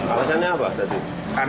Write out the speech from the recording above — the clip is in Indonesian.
alasannya apa tadi